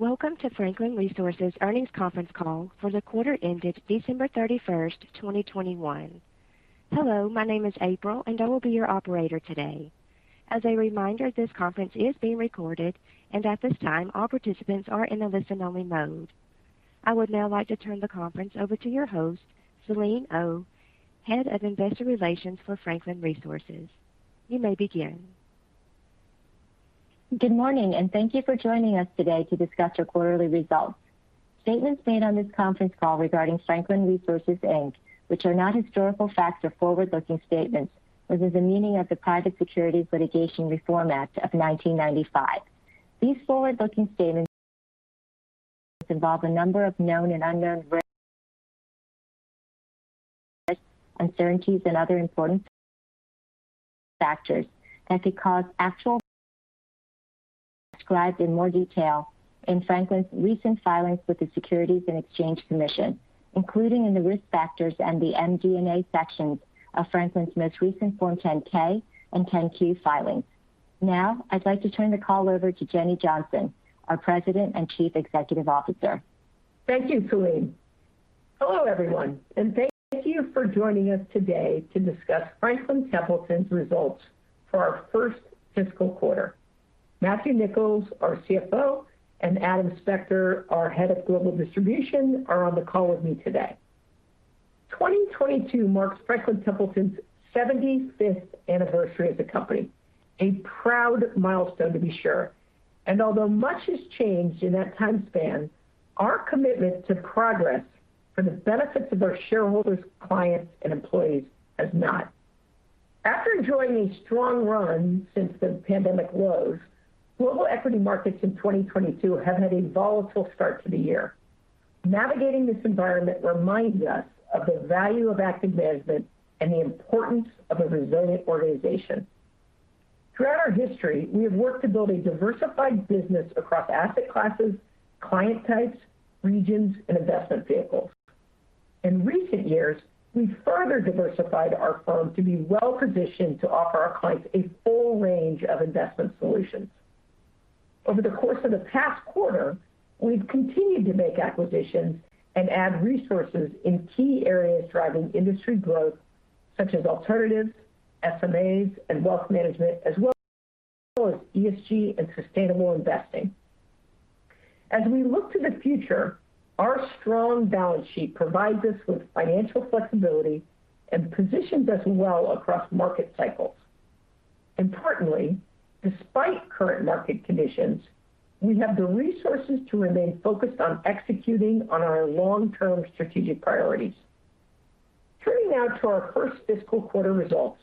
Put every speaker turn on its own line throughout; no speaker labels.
Welcome to Franklin Resources Earnings Conference Call for the quarter ended December 31st, 2021. Hello, my name is April and I will be your operator today. As a reminder, this conference is being recorded and at this time all participants are in a listen-only mode. I would now like to turn the conference over to your host, Selene Oh, Head of Investor Relations for Franklin Resources. You may begin.
Good morning and thank you for joining us today to discuss our quarterly results. Statements made on this conference call regarding Franklin Resources, Inc., which are not historical facts are forward-looking statements within the meaning of the Private Securities Litigation Reform Act of 1995. These forward-looking statements involve a number of known and unknown risks, uncertainties and other important factors that could cause actual described in more detail in Franklin's recent filings with the Securities and Exchange Commission, including in the Risk Factors and the MD&A sections of Franklin's most recent Form 10-K and Form 10-Q filings. Now I'd like to turn the call over to Jenny Johnson, our President and Chief Executive Officer.
Thank you, Selene. Hello, everyone, and thank you for joining us today to discuss Franklin Templeton's results for our first fiscal quarter. Matthew Nicholls, our CFO, and Adam Spector, our Head of Global Distribution, are on the call with me today. 2022 marks Franklin Templeton's 75th anniversary as a company, a proud milestone to be sure. Although much has changed in that time span, our commitment to progress for the benefits of our shareholders, clients and employees has not. After enjoying a strong run since the pandemic lows, global equity markets in 2022 have had a volatile start to the year. Navigating this environment reminds us of the value of active management and the importance of a resilient organization. Throughout our history, we have worked to build a diversified business across asset classes, client types, regions and investment vehicles. In recent years, we further diversified our firm to be well positioned to offer our clients a full range of investment solutions. Over the course of the past quarter, we've continued to make acquisitions and add resources in key areas driving industry growth such as alternatives, SMAs, and wealth management, as well as ESG and sustainable investing. As we look to the future, our strong balance sheet provides us with financial flexibility and positions us well across market cycles. Importantly, despite current market conditions, we have the resources to remain focused on executing on our long-term strategic priorities. Turning now to our first fiscal quarter results.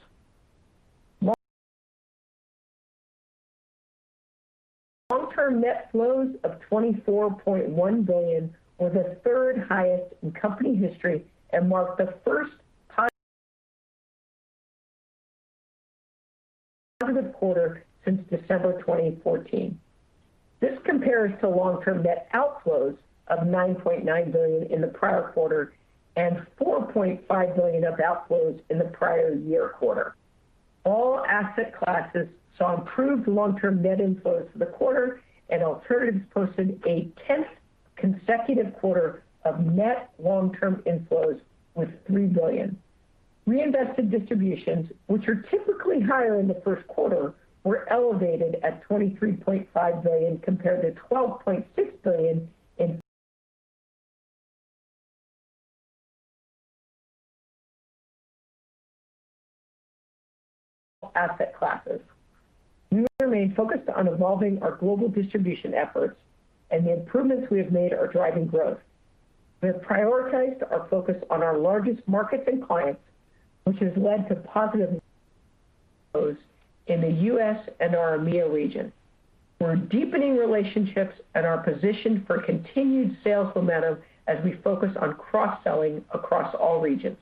Long-term net flows of $24.1 billion were the third highest in company history and marked the first positive quarter since December 2014. This compares to long-term net outflows of $9.9 billion in the prior quarter and $4.5 billion of outflows in the prior year quarter. All asset classes saw improved long-term net inflows for the quarter, and alternatives posted a tenth consecutive quarter of net long-term inflows with $3 billion. Reinvested distributions, which are typically higher in the first quarter, were elevated at $23.5 billion compared to $12.6 billion in asset classes. We remain focused on evolving our global distribution efforts and the improvements we have made are driving growth. We have prioritized our focus on our largest markets and clients, which has led to positive flows in the US and our EMEA region. We're deepening relationships and are positioned for continued sales momentum as we focus on cross-selling across all regions.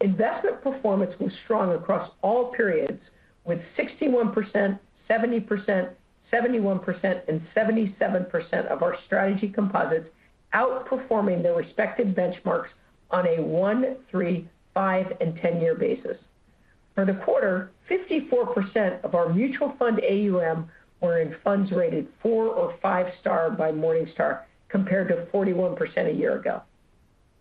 Investment performance was strong across all periods, with 61%, 70%, 71% and 77% of our strategy composites outperforming their respective benchmarks on a one-, three-, five- and 10-year basis. For the quarter, 54% of our mutual fund AUM were in funds rated four or five star by Morningstar, compared to 41% a year ago.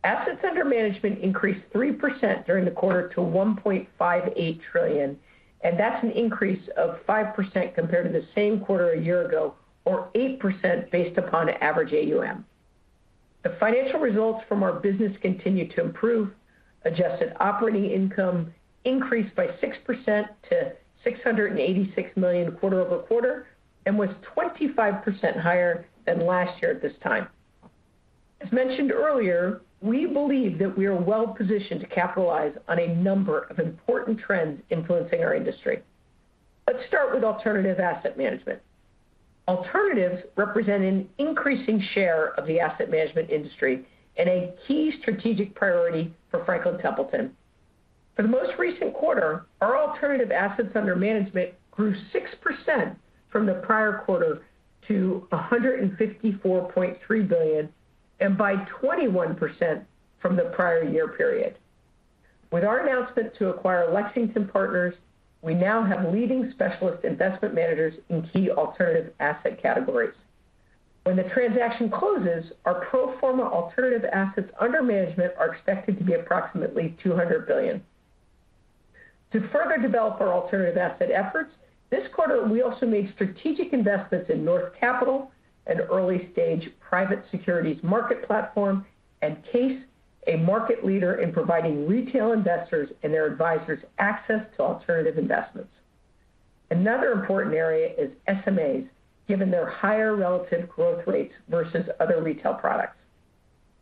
Assets under management increased 3% during the quarter to $1.58 trillion, and that's an increase of 5% compared to the same quarter a year ago, or 8% based upon average AUM. The financial results from our business continued to improve. Adjusted operating income increased by 6% to $686 million quarter-over-quarter, and was 25% higher than last year at this time. As mentioned earlier, we believe that we are well positioned to capitalize on a number of important trends influencing our industry. Let's start with alternative asset management. Alternatives represent an increasing share of the asset management industry and a key strategic priority for Franklin Templeton. For the most recent quarter, our alternative assets under management grew 6% from the prior quarter to $154.3 billion and by 21% from the prior year period. With our announcement to acquire Lexington Partners, we now have leading specialist investment managers in key alternative asset categories. When the transaction closes, our pro forma alternative assets under management are expected to be approximately $200 billion. To further develop our alternative asset efforts, this quarter we also made strategic investments in North Capital, an early-stage private securities market platform, and CAIS, a market leader in providing retail investors and their advisors access to alternative investments. Another important area is SMAs, given their higher relative growth rates versus other retail products.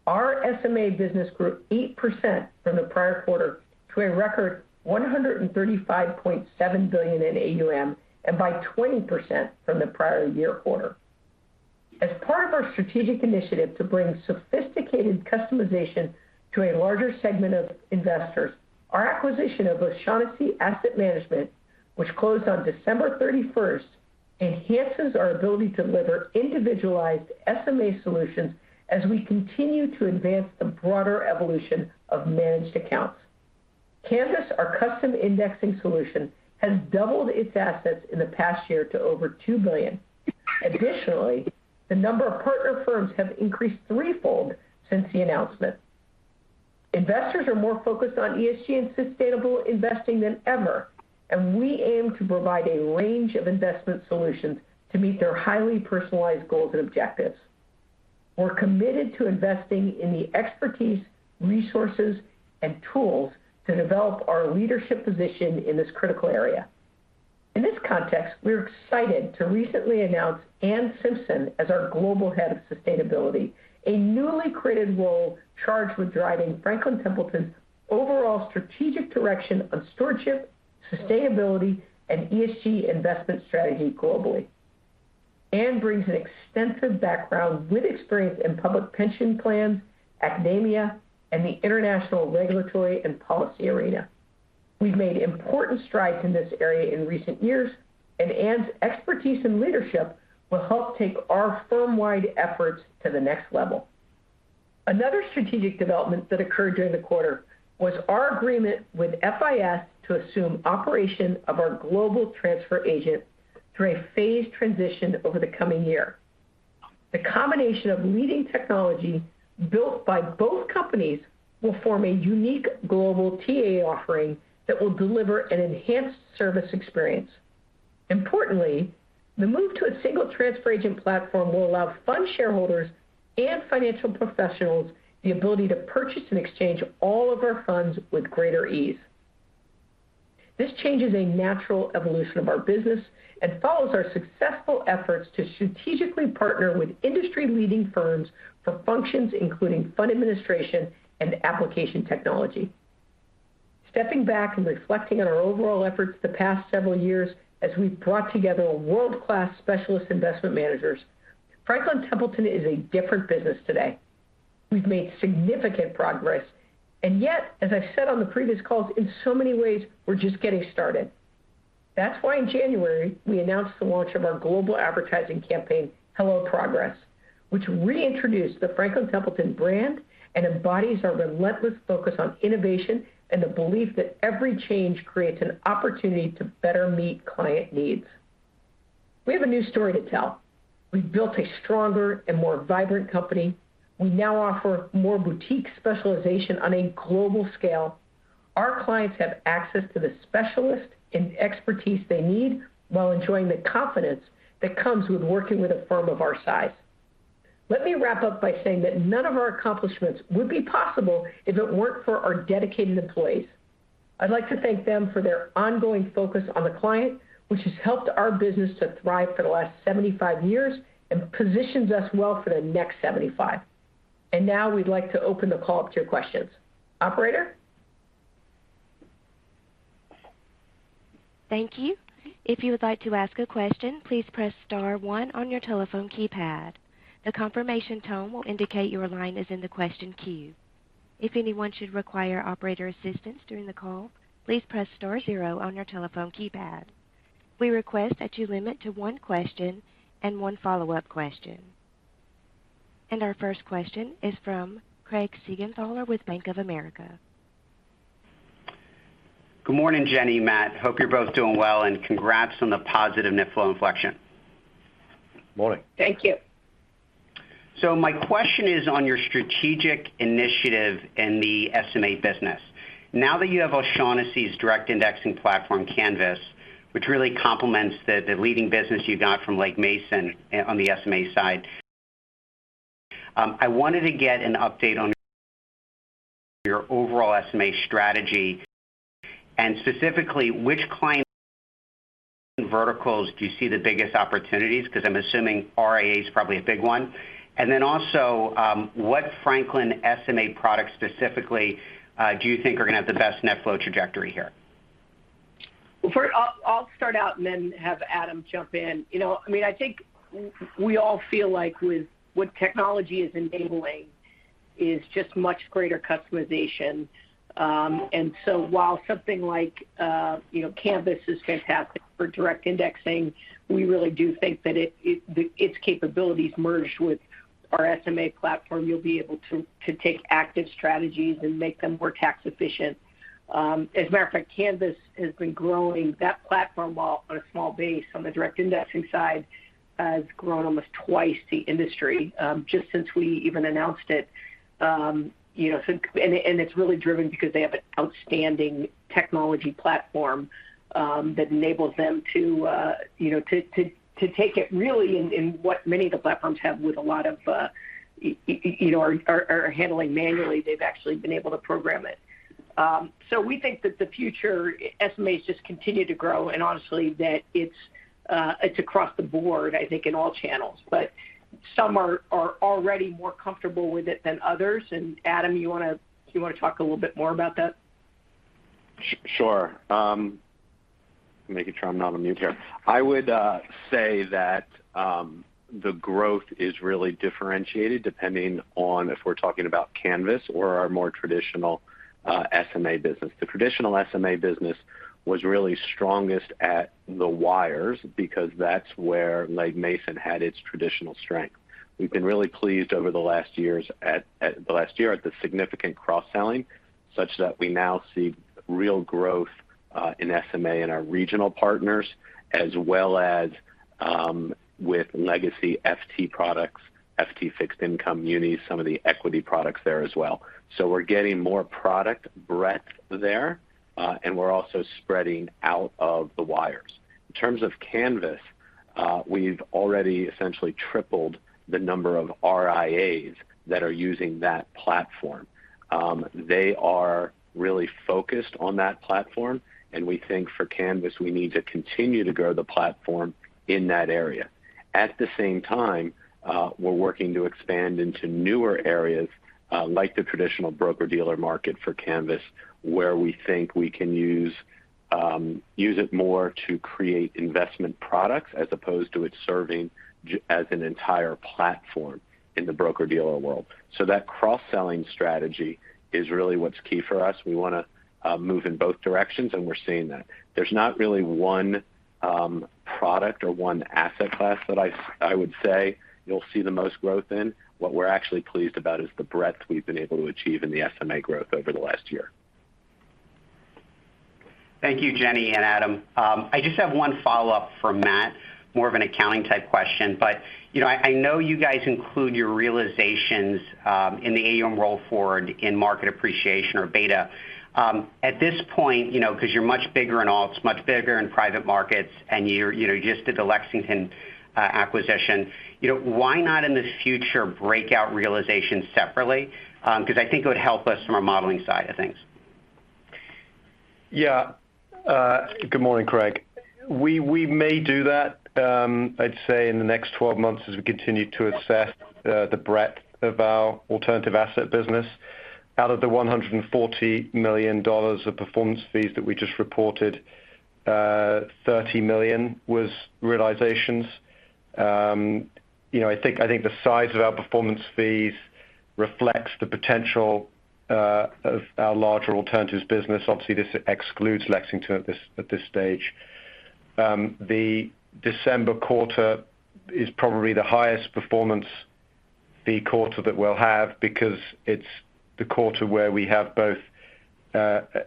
Our SMA business grew 8% from the prior quarter to a record $135.7 billion in AUM and by 20% from the prior year quarter. As part of our strategic initiative to bring sophisticated customization to a larger segment of investors, our acquisition of O'Shaughnessy Asset Management, which closed on December 31st, enhances our ability to deliver individualized SMA solutions as we continue to advance the broader evolution of managed accounts. Canvas, our custom indexing solution, has doubled its assets in the past year to over $2 billion. Additionally, the number of partner firms have increased threefold since the announcement. Investors are more focused on ESG and sustainable investing than ever, and we aim to provide a range of investment solutions to meet their highly personalized goals and objectives. We're committed to investing in the expertise, resources, and tools to develop our leadership position in this critical area. In this context, we are excited to recently announce Anne Simpson as our Global Head of Sustainability, a newly created role charged with driving Franklin Templeton's overall strategic direction on stewardship, sustainability, and ESG investment strategy globally. Anne brings an extensive background with experience in public pension plans, academia, and the international regulatory and policy arena. We've made important strides in this area in recent years, and Anne's expertise and leadership will help take our firm-wide efforts to the next level. Another strategic development that occurred during the quarter was our agreement with FIS to assume operation of our global transfer agent through a phased transition over the coming year. The combination of leading technology built by both companies will form a unique global TA offering that will deliver an enhanced service experience. Importantly, the move to a single transfer agent platform will allow fund shareholders and financial professionals the ability to purchase and exchange all of our funds with greater ease. This change is a natural evolution of our business and follows our successful efforts to strategically partner with industry-leading firms for functions including fund administration and application technology. Stepping back and reflecting on our overall efforts over the past several years as we've brought together world-class specialist investment managers, Franklin Templeton is a different business today. We've made significant progress, and yet, as I said on the previous calls, in so many ways, we're just getting started. That's why in January, we announced the launch of our global advertising campaign, Hello Progress, which reintroduced the Franklin Templeton brand and embodies our relentless focus on innovation and the belief that every change creates an opportunity to better meet client needs. We have a new story to tell. We've built a stronger and more vibrant company. We now offer more boutique specialization on a global scale. Our clients have access to the specialist and expertise they need while enjoying the confidence that comes with working with a firm of our size. Let me wrap up by saying that none of our accomplishments would be possible if it weren't for our dedicated employees. I'd like to thank them for their ongoing focus on the client, which has helped our business to thrive for the last 75 years and positions us well for the next 75. Now we'd like to open the call up to your questions. Operator?
Thank you. If you would like to ask a question, please press star one on your telephone keypad. The confirmation tone will indicate your line is in the question queue. If anyone should require operator assistance during the call, please press star zero on your telephone keypad. We request that you limit to one question and one follow-up question. Our first question is from Craig Siegenthaler with Bank of America.
Good morning, Jenny, Matt. Hope you're both doing well, and congrats on the positive net flow inflection.
Morning.
Thank you.
My question is on your strategic initiative in the SMA business. Now that you have O'Shaughnessy's direct indexing platform, Canvas, which really complements the leading business you got from Legg Mason on the SMA side, I wanted to get an update on your overall SMA strategy and specifically which client verticals do you see the biggest opportunities? Because I'm assuming RIA is probably a big one. Also, what Franklin SMA products specifically do you think are going to have the best net flow trajectory here?
Well, first I'll start out and then have Adam jump in. You know, I mean, I think we all feel like with what technology is enabling is just much greater customization. While something like, you know, Canvas is fantastic for direct indexing, we really do think that its capabilities merged with our SMA platform, you'll be able to take active strategies and make them more tax efficient. As a matter of fact, Canvas has been growing that platform well on a small base on the direct indexing side, has grown almost twice the industry, just since we even announced it. You know, it's really driven because they have an outstanding technology platform that enables them to, you know, to take it really in what many of the platforms have with a lot of, you know, are handling manually. They've actually been able to program it. We think that the future SMAs just continue to grow, and honestly, it's across the board, I think, in all channels. Some are already more comfortable with it than others. Adam, do you wanna talk a little bit more about that?
Sure. Making sure I'm not on mute here. I would say that the growth is really differentiated depending on if we're talking about Canvas or our more traditional SMA business. The traditional SMA business was really strongest at the wires because that's where Legg Mason had its traditional strength. We've been really pleased over the last year at the significant cross-selling, such that we now see real growth in SMA in our regional partners, as well as with legacy FT products, FT fixed income units, some of the equity products there as well. We're getting more product breadth there, and we're also spreading out of the wires. In terms of Canvas, we've already essentially tripled the number of RIAs that are using that platform. They are really focused on that platform, and we think for Canvas, we need to continue to grow the platform in that area. At the same time, we're working to expand into newer areas, like the traditional broker-dealer market for Canvas, where we think we can use it more to create investment products as opposed to it serving as an entire platform in the broker-dealer world. That cross-selling strategy is really what's key for us. We wanna move in both directions, and we're seeing that. There's not really one product or one asset class that I would say you'll see the most growth in. What we're actually pleased about is the breadth we've been able to achieve in the SMA growth over the last year.
Thank you, Jenny and Adam. I just have one follow-up from Matt, more of an accounting type question. You know, I know you guys include your realizations in the AUM roll forward in market appreciation or beta. At this point, you know, because you're much bigger and alts much bigger in private markets and you're just did the Lexington acquisition, you know, why not in the future break out realization separately? Because I think it would help us from a modeling side of things.
Yeah. Good morning, Craig. We may do that. I'd say in the next 12 months as we continue to assess the breadth of our alternative asset business. Out of the $140 million of performance fees that we just reported, $30 million was realizations. You know, I think the size of our performance fees reflects the potential of our larger alternatives business. Obviously, this excludes Lexington at this stage. The December quarter is probably the highest performance fee quarter that we'll have because it's the quarter where we have both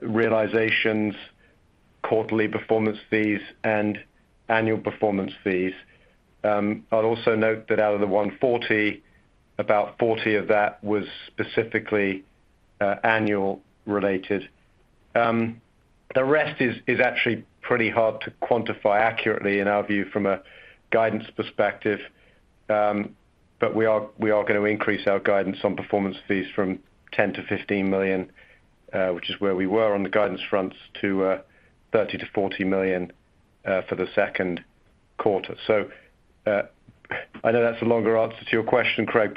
realizations, quarterly performance fees, and annual performance fees. I'd also note that out of the $140, about 40 of that was specifically annual related. The rest is actually pretty hard to quantify accurately in our view from a guidance perspective. We are gonna increase our guidance on performance fees from $10 million-$15 million, which is where we were on the guidance fronts, to $30 million-$40 million for the second quarter. I know that's a longer answer to your question, Craig,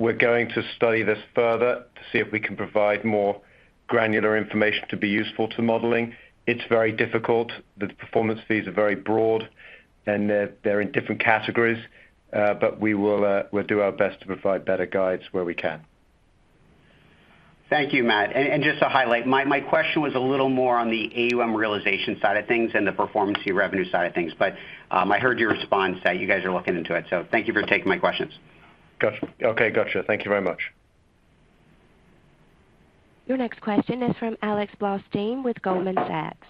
but we're going to study this further to see if we can provide more granular information to be useful to modeling. It's very difficult. The performance fees are very broad, and they're in different categories. We'll do our best to provide better guides where we can.
Thank you, Matt. Just to highlight, my question was a little more on the AUM realization side of things and the performance fee revenue side of things. I heard your response that you guys are looking into it. Thank you for taking my questions.
Got you. Okay, got you. Thank you very much.
Your next question is from Alex Blostein with Goldman Sachs.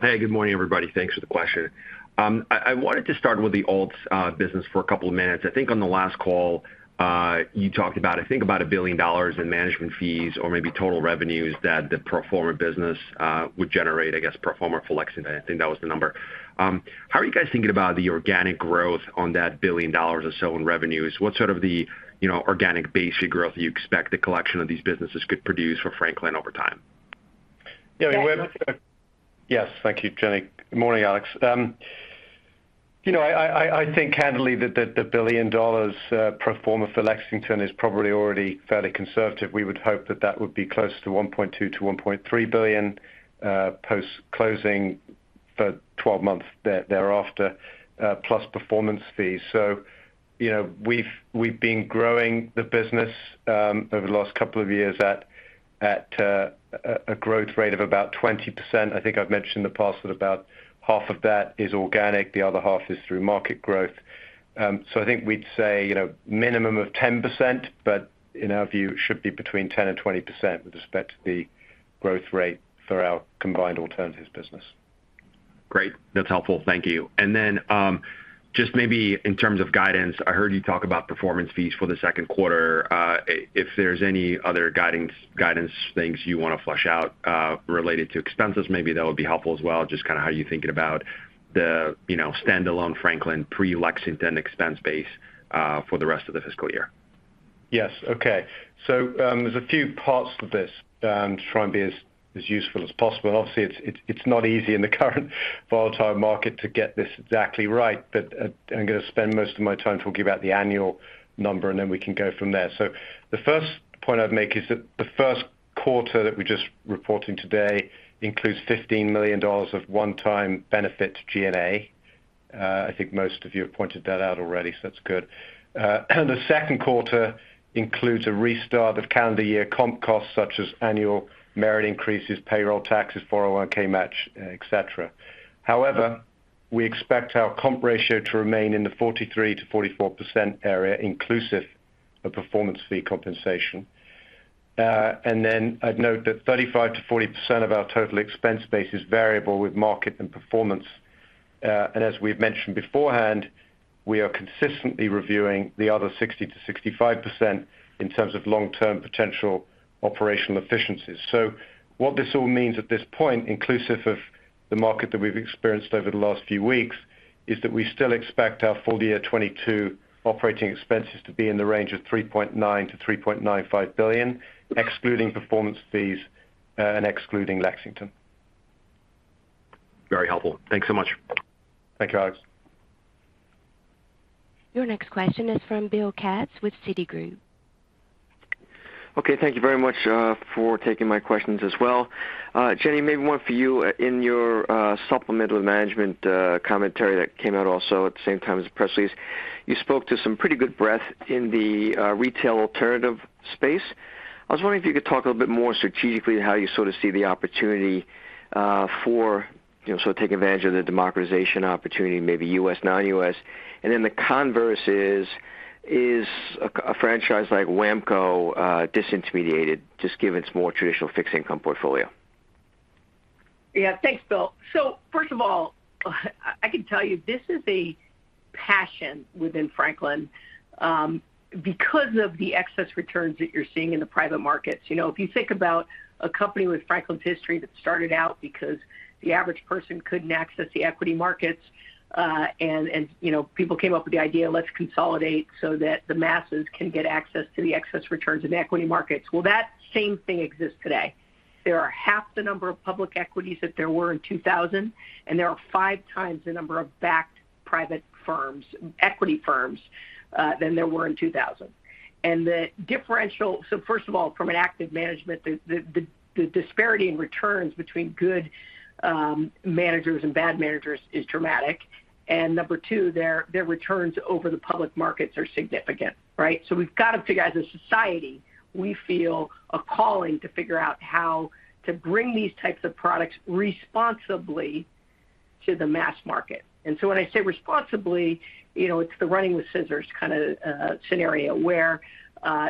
Hey, good morning, everybody. Thanks for the question. I wanted to start with the alts business for a couple of minutes. I think on the last call you talked about, I think about $1 billion in management fees or maybe total revenues that the pro forma business would generate, I guess, pro forma for Lexington. I think that was the number. How are you guys thinking about the organic growth on that $1 billion or so in revenues? What sort of the, you know, organic basic growth do you expect the collection of these businesses could produce for Franklin over time?
Yeah.
Alex-
Yes. Thank you, Jenny. Good morning, Alex. You know, I think candidly that the $1 billion pro forma for Lexington is probably already fairly conservative. We would hope that that would be close to $1.2-$1.3 billion post-closing for 12 months thereafter, plus performance fees. You know, we've been growing the business over the last couple of years at a growth rate of about 20%. I think I've mentioned in the past that about half of that is organic, the other half is through market growth. So, I think we'd say, you know, minimum of 10%, but in our view, it should be between 10%-20% with respect to the growth rate for our combined alternatives business.
Great. That's helpful. Thank you. Just maybe in terms of guidance, I heard you talk about performance fees for the second quarter. If there's any other guidance things you want to flesh out, related to expenses, maybe that would be helpful as well. Just kinda how you're thinking about the, you know, standalone Franklin pre-Lexington expense base, for the rest of the fiscal year.
Yes. Okay. There's a few parts to this, to try and be as useful as possible. Obviously, it's not easy in the current volatile market to get this exactly right. I'm going to spend most of my time talking about the annual number, and then we can go from there. The first point I'd make is that the first quarter that we're just reporting today includes $15 million of one-time benefit to G&A. I think most of you have pointed that out already, so that's good. The second quarter includes a restart of calendar year comp costs such as annual merit increases, payroll taxes, 401(k) match, et cetera. However, we expect our comp ratio to remain in the 43%-44% area, inclusive of performance fee compensation. I'd note that 35%-40% of our total expense base is variable with market and performance. As we've mentioned beforehand, we are consistently reviewing the other 60%-65% in terms of long-term potential operational efficiencies. What this all means at this point, inclusive of the market that we've experienced over the last few weeks, is that we still expect our full year 2022 operating expenses to be in the range of $3.9 billion-$3.95 billion, excluding performance fees and excluding Lexington.
Very helpful. Thanks so much.
Thank you, Alex.
Your next question is from Bill Katz with Citigroup.
Okay. Thank you very much for taking my questions as well. Jenny, maybe one for you. In your supplemental management commentary that came out also at the same time as the press release, you spoke to some pretty good breadth in the retail alternative space. I was wondering if you could talk a little bit more strategically how you sort of see the opportunity for, you know, so taking advantage of the democratization opportunity, maybe US, non-US Then the converse is a franchise like WAMCO disintermediated, just given its more traditional fixed income portfolio?
Yeah. Thanks, Bill. First of all, I can tell you this is a passion within Franklin because of the excess returns that you're seeing in the private markets. You know, if you think about a company with Franklin's history that started out because the average person couldn't access the equity markets, and you know, people came up with the idea, let's consolidate so that the masses can get access to the excess returns in equity markets. Well, that same thing exists today. There are half the number of public equities that there were in 2000, and there are 5x the number of private equity firms than there were in 2000. The differential, first of all, from an active management, the disparity in returns between good managers and bad managers is dramatic. Number two, their returns over the public markets are significant, right? We've got to, as a society, we feel a calling to figure out how to bring these types of products responsibly to the mass market. When I say responsibly, you know, it's the running with scissors kind of scenario where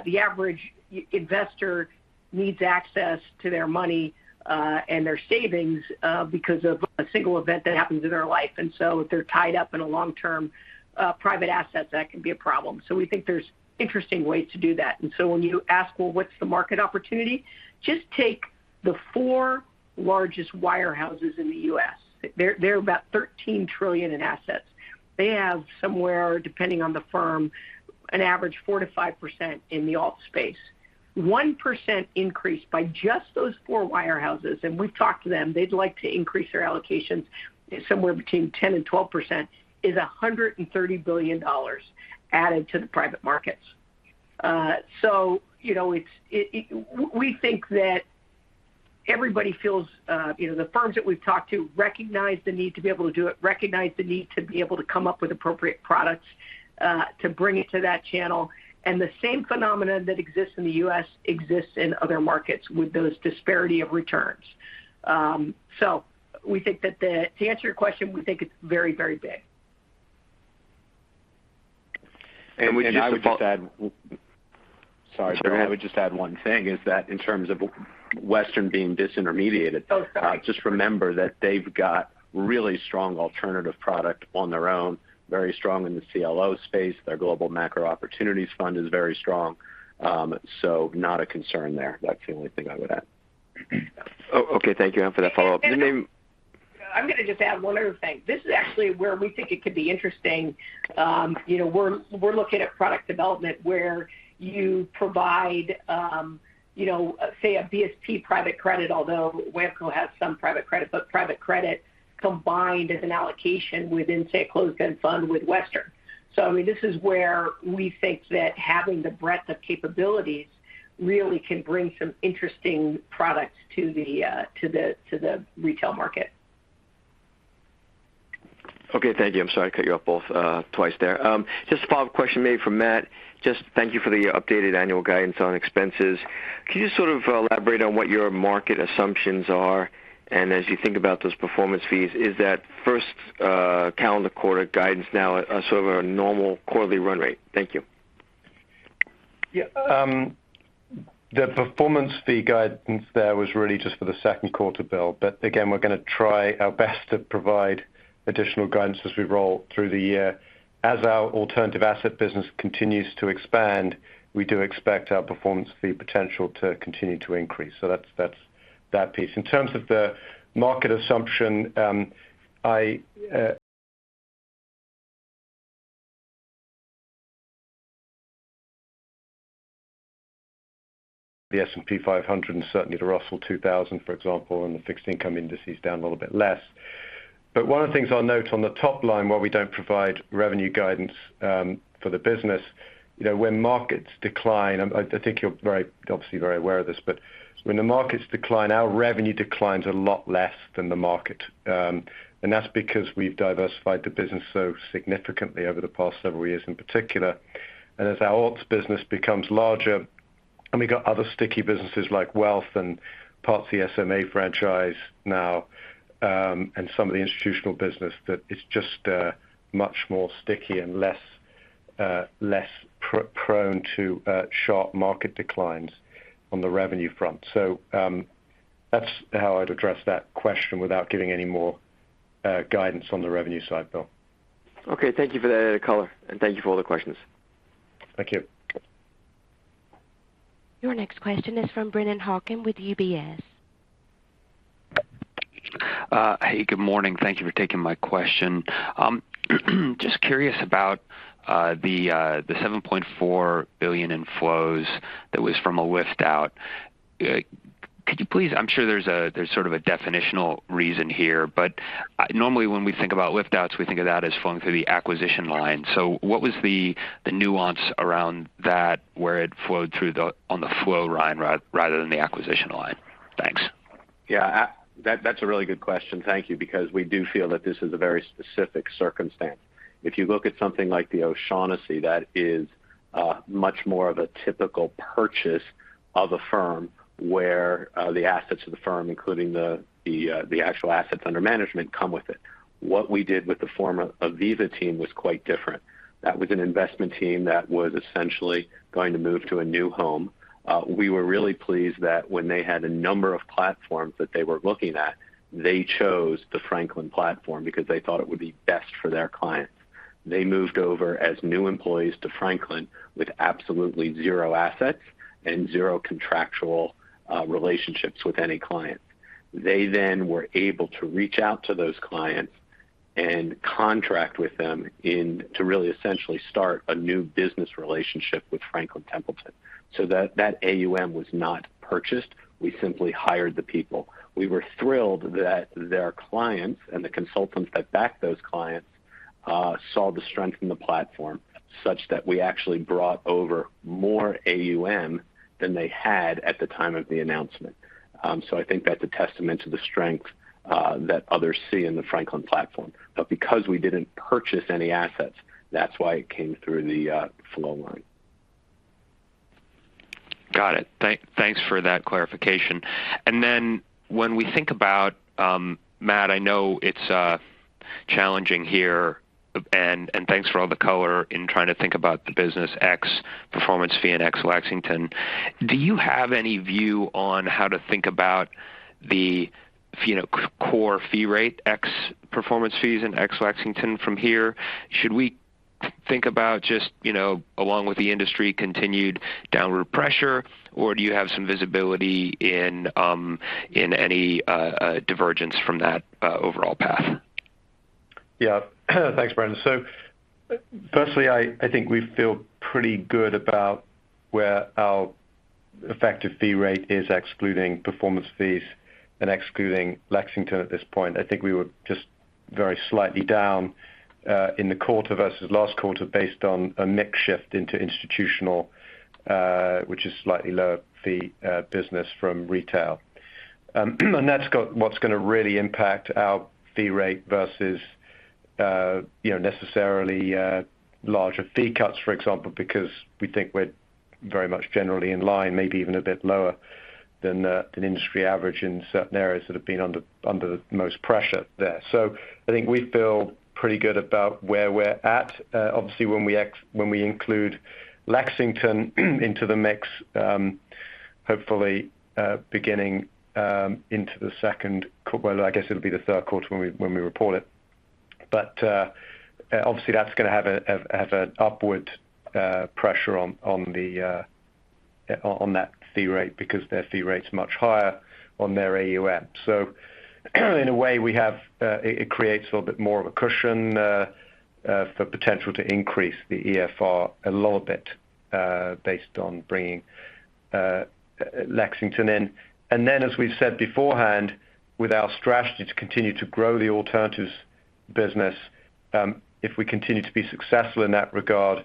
the average investor needs access to their money and their savings because of a single event that happens in their life. If they're tied up in a long-term private assets, that can be a problem. We think there's interesting ways to do that. When you ask, well, what's the market opportunity, just take the four largest wirehouses in the US They're about $13 trillion in assets. They have somewhere, depending on the firm, an average 4%-5% in the alt space. 1% increase by just those four wirehouses, and we've talked to them, they'd like to increase their allocations somewhere between 10%-12%, is $130 billion added to the private markets. So, you know, we think that everybody feels, you know, the firms that we've talked to recognize the need to be able to do it, recognize the need to be able to come up with appropriate products, to bring it to that channel. The same phenomenon that exists in the US exists in other markets with those disparity of returns. We think that to answer your question, we think it's very, very big.
And we just-
I would just add. Sorry.
Sure.
I would just add one thing is that in terms of Western being disintermediated.
Oh, sorry.
Just remember that they've got really strong alternative product on their own, very strong in the CLO space. Their Global Macro Opportunities Fund is very strong. Not a concern there. That's the only thing I would add.
Okay. Thank you for that follow-up.
I'm gonna just add one other thing. This is actually where we think it could be interesting. You know, we're looking at product development where you provide, you know, say a BSP private credit, although WAMCO has some private credit, but private credit combined as an allocation within, say, a closed-end fund with Western. I mean, this is where we think that having the breadth of capabilities really can bring some interesting products to the retail market.
Okay. Thank you. I'm sorry to cut you off both, twice there. Just a follow-up question maybe for Matt. Just thank you for the updated annual guidance on expenses. Can you sort of elaborate on what your market assumptions are? As you think about those performance fees, is that first, calendar quarter guidance now sort of a normal quarterly run rate? Thank you.
Yeah. The performance fee guidance there was really just for the second quarter, Bill. Again, we're gonna try our best to provide additional guidance as we roll through the year. As our alternative asset business continues to expand, we do expect our performance fee potential to continue to increase. That's that piece. In terms of the market assumption, the S&P 500, and certainly the Russell 2000, for example, and the fixed income indices down a little bit less. One of the things I'll note on the top line, while we don't provide revenue guidance, for the business, you know, when markets decline, I think you're very, obviously very aware of this, but when the markets decline, our revenue declines a lot less than the market. That's because we've diversified the business so significantly over the past several years in particular. As our alts business becomes larger, and we've got other sticky businesses like Wealth and parts of the SMA franchise now, and some of the institutional business that is just much more sticky and less prone to sharp market declines on the revenue front. That's how I'd address that question without giving any more guidance on the revenue side, Bill.
Okay. Thank you for that color, and thank you for all the questions.
Thank you.
Your next question is from Brennan Hawken with UBS.
Hey, good morning. Thank you for taking my question. Just curious about the $7.4 billion inflows that was from a lift-out. Could you please. I'm sure there's sort of a definitional reason here, but normally when we think about lift-outs, we think of that as flowing through the acquisition line. What was the nuance around that, where it flowed through on the flow line rather than the acquisition line? Thanks.
Yeah. That's a really good question. Thank you. Because we do feel that this is a very specific circumstance. If you look at something like the O'Shaughnessy, that is much more of a typical purchase of a firm where the assets of the firm, including the actual assets under management, come with it. What we did with the former Aviva team was quite different. That was an investment team that was essentially going to move to a new home. We were really pleased that when they had a number of platforms that they were looking at, they chose the Franklin platform because they thought it would be best for their clients. They moved over as new employees to Franklin with absolutely zero assets and zero contractual relationships with any clients. They then were able to reach out to those clients and contract with them to really essentially start a new business relationship with Franklin Templeton. That AUM was not purchased. We simply hired the people. We were thrilled that their clients and the consultants that backed those clients saw the strength in the platform such that we actually brought over more AUM than they had at the time of the announcement. I think that's a testament to the strength that others see in the Franklin platform. Because we didn't purchase any assets, that's why it came through the flow line.
Got it. Thanks for that clarification. When we think about Matt, I know it's challenging here and thanks for all the color in trying to think about the business ex performance fee and ex Lexington. Do you have any view on how to think about the fee, you know, core fee rate ex performance fees and ex Lexington from here? Should we think about just, you know, along with the industry, continued downward pressure, or do you have some visibility in any divergence from that overall path?
Yeah. Thanks, Brennan. Firstly, I think we feel pretty good about where our effective fee rate is excluding performance fees and excluding Lexington at this point. I think we were just very slightly down in the quarter versus last quarter based on a mix shift into institutional, which is slightly lower fee business from retail. And that's what's gonna really impact our fee rate versus you know, necessarily larger fee cuts, for example, because we think we're very much generally in line, maybe even a bit lower than the industry average in certain areas that have been under the most pressure there. I think we feel pretty good about where we're at. Obviously, when we include Lexington into the mix, hopefully, well, I guess it'll be the third quarter when we report it. Obviously, that's gonna have an upward pressure on that fee rate because their fee rate's much higher on their AUM. In a way, it creates a little bit more of a cushion for potential to increase the EFR a little bit based on bringing Lexington. In as we've said beforehand, with our strategy to continue to grow the alternatives business, if we continue to be successful in that regard,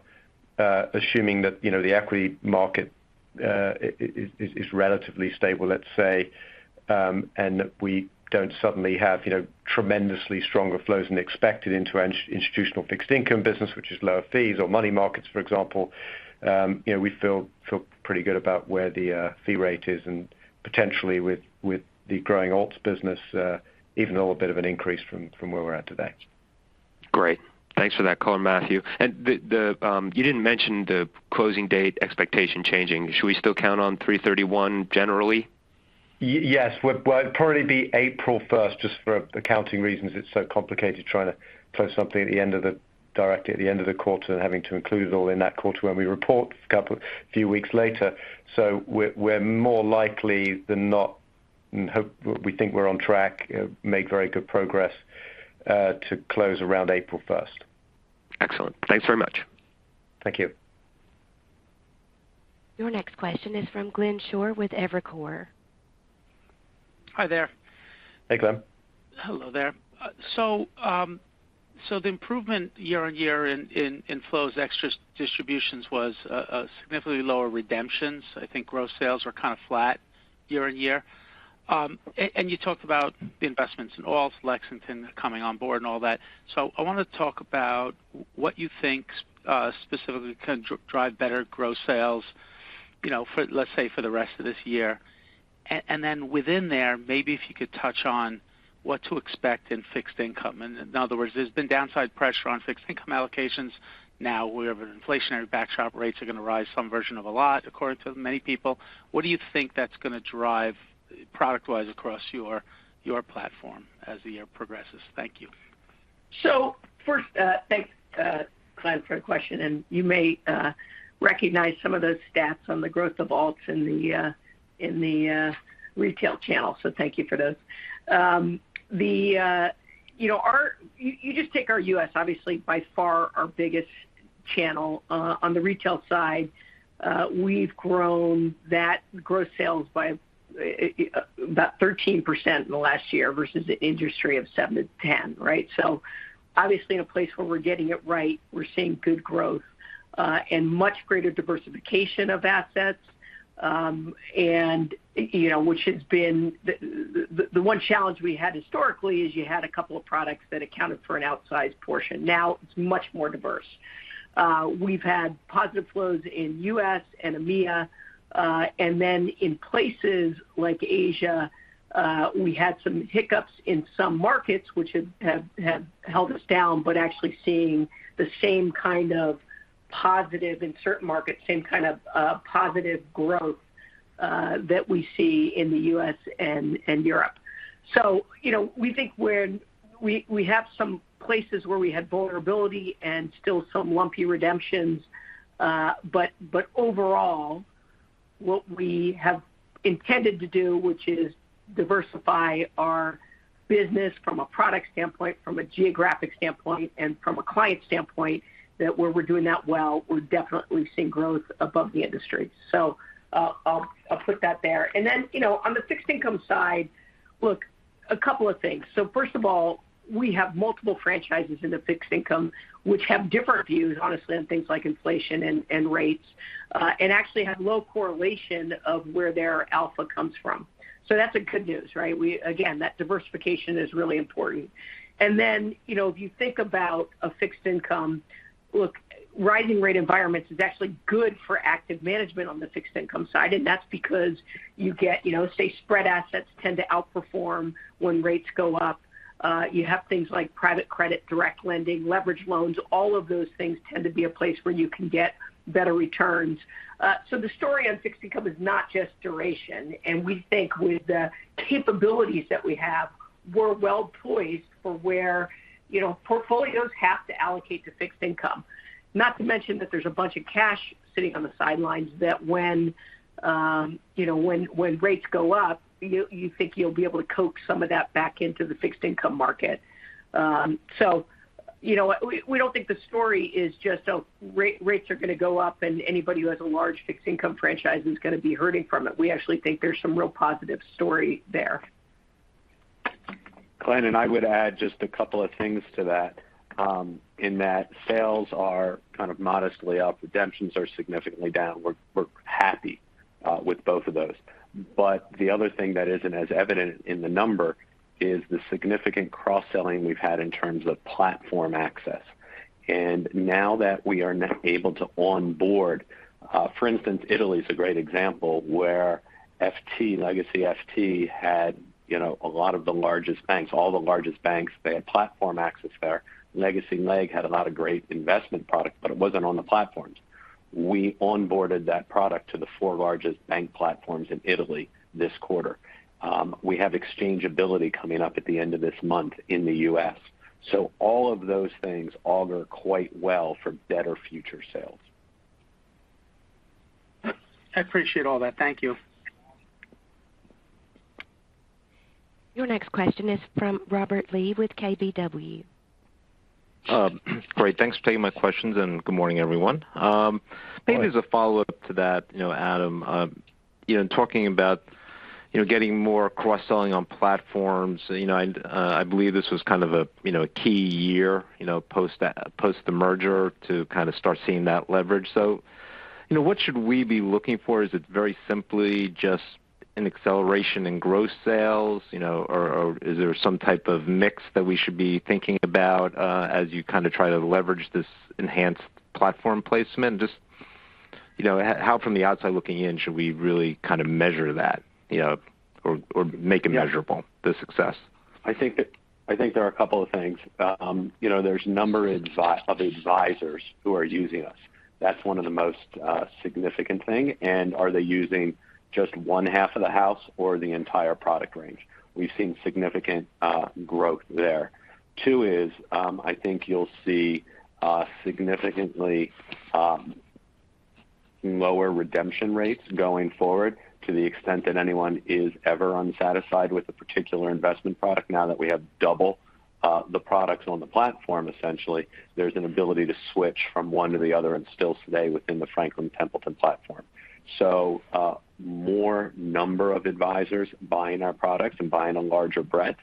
assuming that, you know, the equity market is relatively stable, let's say, and that we don't suddenly have, you know, tremendously stronger flows than expected into institutional fixed income business, which is lower fees or money markets, for example, you know, we feel pretty good about where the fee rate is and potentially with the growing alts business, even though a bit of an increase from where we're at today.
Great. Thanks for that color, Matthew. You didn't mention the closing date expectation changing. Should we still count on 3/31 generally?
Yes. Well, it'd probably be April 1st just for accounting reasons. It's so complicated trying to close something at the end of the quarter and having to include it all in that quarter when we report a couple few weeks later. We're more likely than not. We think we're on track, made very good progress to close around April 1st.
Excellent. Thanks very much.
Thank you.
Your next question is from Glenn Schorr with Evercore.
Hi there.
Hey, Glenn.
Hello there. The improvement year-over-year in flows ex-redemptions and distributions was significantly lower redemptions. I think gross sales were kind of flat year-over-year. You talked about the investments in alts, Lexington coming on board and all that. I want to talk about what you think specifically can drive better gross sales, you know, for, let's say, for the rest of this year. Then within there, maybe if you could touch on what to expect in fixed income. In other words, there's been downside pressure on fixed income allocations. Now we have an inflationary backdrop, rates are going to rise some version of a lot, according to many people. What do you think that's going to drive product-wise across your platform as the year progresses? Thank you.
First, thanks, Glenn, for the question, and you may recognize some of those stats on the growth of alts in the retail channel. Thank you for those. You know, you just take our US, obviously by far our biggest channel, on the retail side. We've grown that gross sales by about 13% in the last year versus the industry of 7%-10%, right? Obviously in a place where we're getting it right, we're seeing good growth, and much greater diversification of assets, and, you know, which has been the one challenge we had historically is you had a couple of products that accounted for an outsized portion. Now it's much more diverse. We've had positive flows in US and EMEA, and then in places like Asia, we had some hiccups in some markets which have held us down, but actually seeing the same kind of positive in certain markets, same kind of positive growth that we see in the US and Europe. You know, we think we have some places where we had vulnerability and still some lumpy redemptions. But overall, what we have intended to do, which is diversify our business from a product standpoint, from a geographic standpoint, and from a client standpoint, that where we're doing that well, we're definitely seeing growth above the industry. So I'll put that there. Then, you know, on the fixed income side, look, a couple of things. First of all, we have multiple franchises in the fixed income which have different views, honestly, on things like inflation and rates, and actually have low correlation of where their alpha comes from. That's good news, right? Again, that diversification is really important. Then, you know, if you think about fixed income, look, rising rate environments is actually good for active management on the fixed income side. That's because you get, you know, say, spread assets tend to outperform when rates go up. You have things like private credit, direct lending, leveraged loans. All of those things tend to be a place where you can get better returns. The story on fixed income is not just duration. We think with the capabilities that we have, we're well-poised for where portfolios have to allocate to fixed income. Not to mention that there's a bunch of cash sitting on the sidelines that when rates go up, you think you'll be able to coax some of that back into the fixed income market. We don't think the story is just, oh, rates are going to go up and anybody who has a large fixed income franchise is going to be hurting from it. We actually think there's some real positive story there.
Glenn, I would add just a couple of things to that, in that sales are kind of modestly up, redemptions are significantly down. We're happy with both of those. The other thing that isn't as evident in the number is the significant cross-selling we've had in terms of platform access. Now that we are able to onboard, for instance, Italy is a great example where FT, legacy FT had, you know, a lot of the largest banks. All the largest banks, they had platform access there. Legacy Legg Mason had a lot of great investment product, but it wasn't on the platforms. We onboarded that product to the four largest bank platforms in Italy this quarter. We have exchangeability coming up at the end of this month in the US All of those things augur quite well for better future sales.
I appreciate all that. Thank you.
Your next question is from Robert Lee with KBW.
Great. Thanks for taking my questions, and good morning, everyone.
Morning.
Maybe as a follow-up to that, you know, Adam, you know, in talking about, you know, getting more cross-selling on platforms, you know, and I believe this was kind of a, you know, a key year, you know, post the merger to kind of start seeing that leverage. You know, what should we be looking for? Is it very simply just an acceleration in gross sales, you know, or is there some type of mix that we should be thinking about as you kind of try to leverage this enhanced platform placement? Just, you know, how from the outside looking in should we really kind of measure that, you know, or make it measurable?
Yeah.
the success?
I think there are a couple of things. You know, there's number of advisors who are using us. That's one of the most significant thing. Are they using just one half of the house or the entire product range? We've seen significant growth there. Two is, I think you'll see significantly lower redemption rates going forward to the extent that anyone is ever unsatisfied with a particular investment product. Now that we have double the products on the platform, essentially, there's an ability to switch from one to the other and still stay within the Franklin Templeton platform. More number of advisors buying our products and buying a larger breadth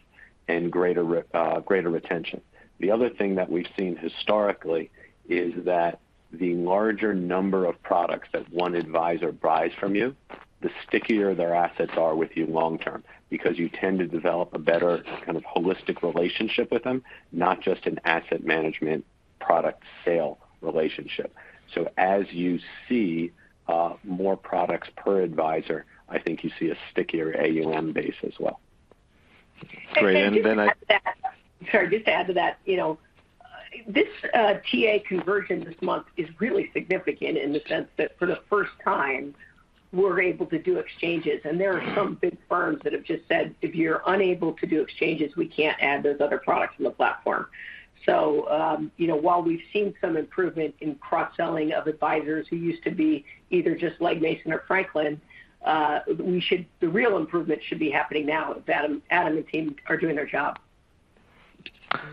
and greater retention. The other thing that we've seen historically is that the larger number of products that one advisor buys from you, the stickier their assets are with you long term, because you tend to develop a better kind of holistic relationship with them, not just an asset management product sale relationship. As you see, more products per advisor, I think you see a stickier AUM base as well.
Great.
Sorry, just to add to that. You know, this TA conversion this month is really significant in the sense that for the first time, we're able to do exchanges. There are some big firms that have just said, "If you're unable to do exchanges, we can't add those other products in the platform." You know, while we've seen some improvement in cross-selling of advisors who used to be either just Legg Mason or Franklin, the real improvement should be happening now that Adam and team are doing their job.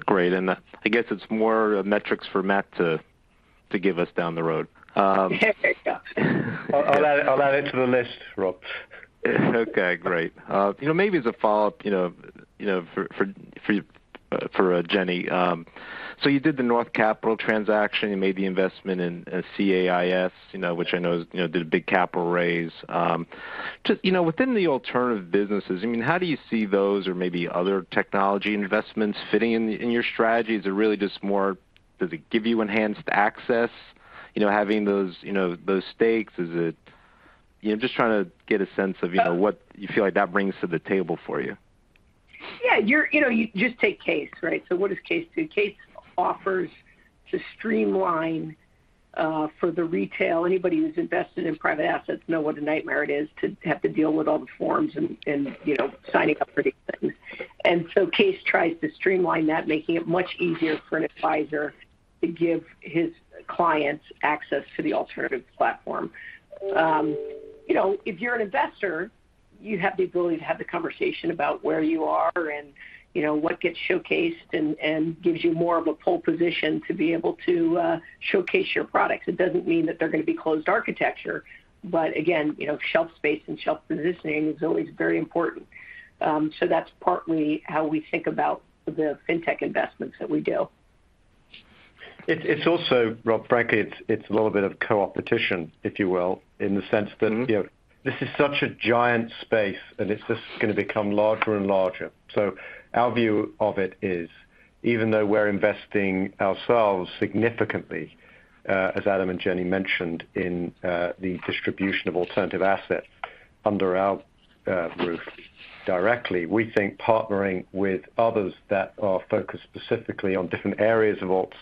Great. I guess it's more metrics for Matt to give us down the road.
I'll add it to the list, Rob.
Okay, great. You know, maybe as a follow-up, you know, for Jenny. So you did the North Capital transaction. You made the investment in CAIS, you know, which I know is, you know, did a big capital raise. Just, you know, within the alternative businesses, I mean, how do you see those or maybe other technology investments fitting in your strategy? Is it really just more, does it give you enhanced access, you know, having those, you know, those stakes? Is it? You know, I'm just trying to get a sense of, you know, what you feel like that brings to the table for you.
Yeah. You know, just take CAIS, right? What does CAIS do? CAIS offers to streamline for the retail. Anybody who's invested in private assets know what a nightmare it is to have to deal with all the forms and, you know, signing up for these things. CAIS tries to streamline that, making it much easier for an advisor to give his clients access to the alternative platform. You know, if you're an investor, you have the ability to have the conversation about where you are and, you know, what gets showcased and gives you more of a pole position to be able to showcase your products. It doesn't mean that they're gonna be closed architecture, but again, you know, shelf space and shelf positioning is always very important. That's partly how we think about the fintech investments that we do.
It's also, Rob, frankly, it's a little bit of co-opetition, if you will, in the sense that.
Mm-hmm.
You know, this is such a giant space, and it's just gonna become larger and larger. Our view of it is, even though we're investing ourselves significantly, as Adam and Jenny mentioned, in the distribution of alternative assets under our roof directly, we think partnering with others that are focused specifically on different areas of alts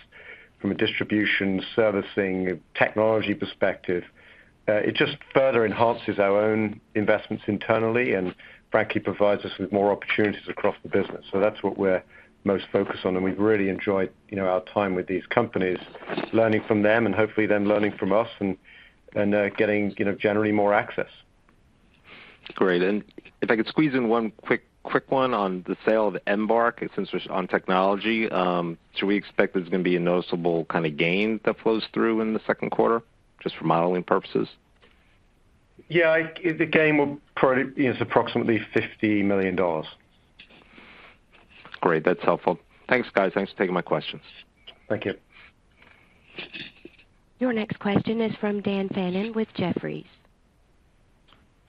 from a distribution, servicing, technology perspective, it just further enhances our own investments internally and frankly, provides us with more opportunities across the business. That's what we're most focused on, and we've really enjoyed, you know, our time with these companies, learning from them and hopefully them learning from us and getting, you know, generally more access.
Great. If I could squeeze in one quick one on the sale of AdvisorEngine since we're on technology. Should we expect there's gonna be a noticeable kind of gain that flows through in the second quarter just for modeling purposes?
Yeah. The gain will probably, you know, it's approximately $50 million.
Great. That's helpful. Thanks, guys. Thanks for taking my questions.
Thank you.
Your next question is from Dan Fannon with Jefferies.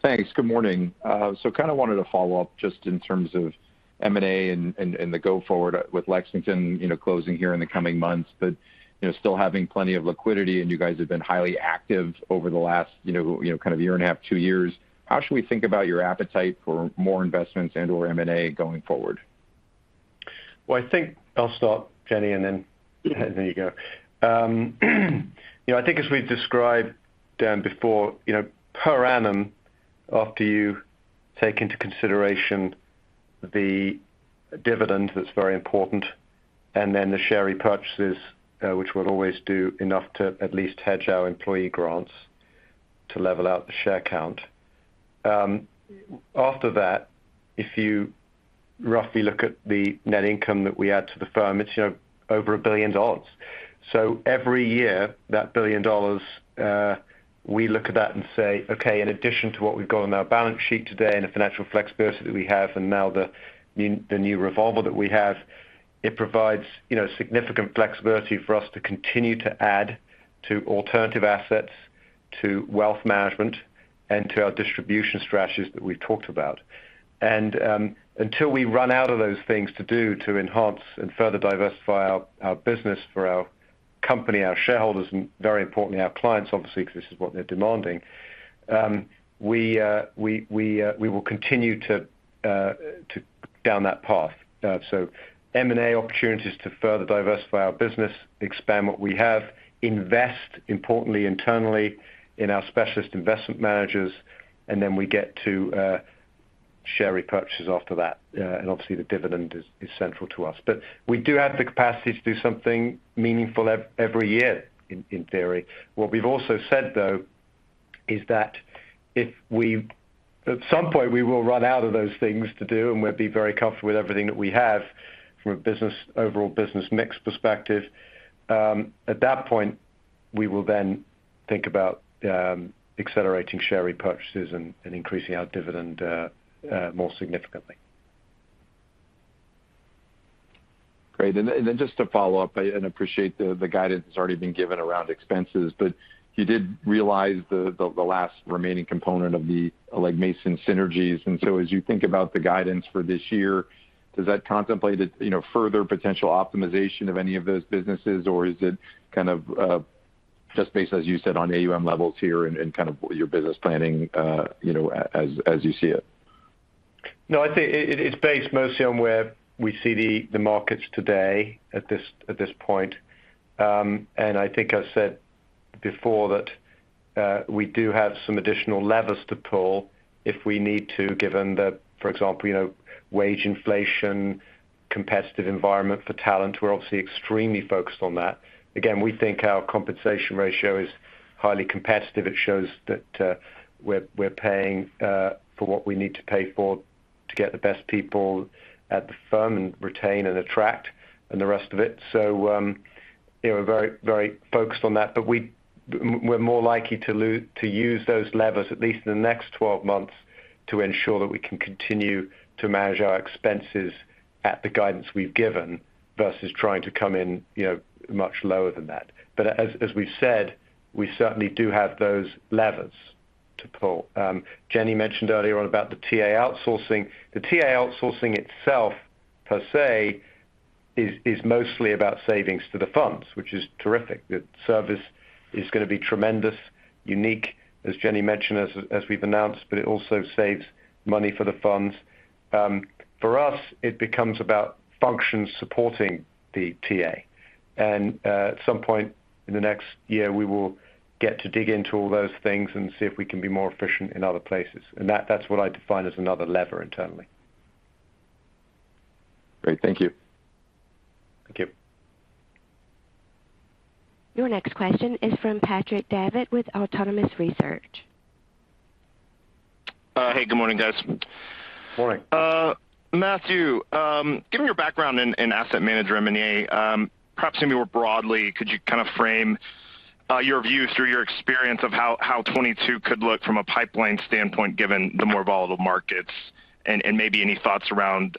Thanks. Good morning. Kinda wanted to follow up just in terms of M&A and the go forward with Lexington, you know, closing here in the coming months, but, you know, still having plenty of liquidity, and you guys have been highly active over the last, you know, kind of year and a half, two years. How should we think about your appetite for more investments and/or M&A going forward?
Well, I think I'll start, Jenny, and then.
Yeah.
There you go. You know, I think as we've described, Dan, before, you know, per annum, after you take into consideration the dividend that's very important, and then the share repurchases, which we'll always do enough to at least hedge our employee grants. To level out the share count. After that, if you roughly look at the net income that we add to the firm, it's, you know, over $1 billion. Every year, that $1 billion, we look at that and say, "Okay, in addition to what we've got on our balance sheet today and the financial flexibility that we have and now the new revolver that we have, it provides, you know, significant flexibility for us to continue to add to alternative assets, to wealth management, and to our distribution strategies that we've talked about. Until we run out of those things to do to enhance and further diversify our business for our company, our shareholders, and very importantly, our clients, obviously, because this is what they're demanding, we will continue down that path. M&A opportunities to further diversify our business, expand what we have, invest importantly internally in our specialist investment managers, and then we get to share repurchases after that. Obviously the dividend is central to us. We do have the capacity to do something meaningful every year in theory. What we've also said, though, is that if at some point, we will run out of those things to do, and we'll be very comfortable with everything that we have from an overall business mix perspective. At that point, we will then think about accelerating share repurchases and increasing our dividend more significantly.
Great. Just to follow up, I appreciate the last remaining component of the Legg Mason synergies. As you think about the guidance for this year, does that contemplate it, you know, further potential optimization of any of those businesses? Or is it kind of just based, as you said, on AUM levels here and kind of your business planning, you know, as you see it?
No, I think it's based mostly on where we see the markets today at this point. I think I said before that we do have some additional levers to pull if we need to, given, for example, you know, wage inflation, competitive environment for talent. We're obviously extremely focused on that. Again, we think our compensation ratio is highly competitive. It shows that we're paying for what we need to pay for to get the best people at the firm and retain and attract and the rest of it. You know, very focused on that. We're more likely to use those levers, at least in the next 12 months, to ensure that we can continue to manage our expenses at the guidance we've given versus trying to come in, you know, much lower than that. As we've said, we certainly do have those levers to pull. Jenny mentioned earlier on about the TA outsourcing. The TA outsourcing itself, per se, is mostly about savings to the funds, which is terrific. The service is gonna be tremendous, unique, as Jenny mentioned, as we've announced, but it also saves money for the funds. For us, it becomes about functions supporting the TA. At some point in the next year, we will get to dig into all those things and see if we can be more efficient in other places. That's what I define as another lever internally.
Great. Thank you.
Thank you.
Your next question is from Patrick Davitt with Autonomous Research.
Hey, good morning, guys.
Morning.
Matthew, given your background in asset manager M&A, perhaps even more broadly, could you kind of frame your view through your experience of how 2022 could look from a pipeline standpoint, given the more volatile markets? Maybe any thoughts around